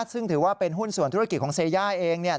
ซึ่งถือว่าเป็นหุ้นส่วนธุรกิจของเซย่าเองเนี่ย